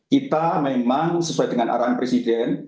kita memang sesuai dengan arahan presiden